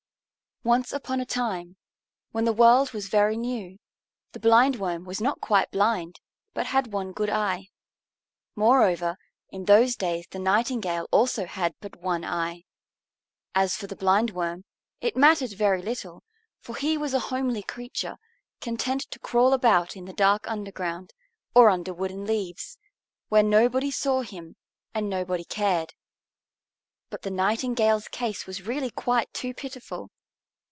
Once upon a time, when the world was very new, the Blindworm was not quite blind, but had one good eye. Moreover, in those days the Nightingale also had but one eye. As for the Blindworm, it mattered very little; for he was a homely creature, content to crawl about in the dark underground, or under wood and leaves, where nobody saw him and nobody cared. But the Nightingale's case was really quite too pitiful!